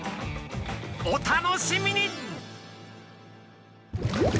お楽しみに！